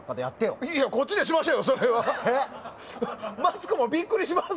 いやいやこっちでしましょうよ！